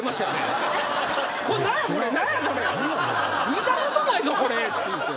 「見たことないぞこれ」って言うて。